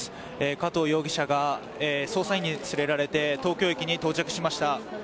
加藤容疑者が捜査員に連れられて東京駅に到着しました。